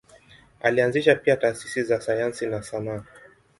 Alianzisha pia taasisi za sayansi na sanaa.